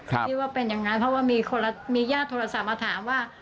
ที่ว่าเป็นอย่างนั้นเพราะว่ามีญาติโทรศัพท์มาถามว่า